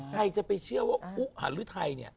ใครจะไปเชื่อว่าอุหารือไทยเนี่ย